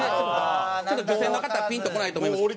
ちょっと女性の方はピンとこないと思いますけど。